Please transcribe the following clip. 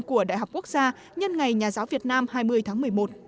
của đại học quốc gia nhân ngày nhà giáo việt nam hai mươi tháng một mươi một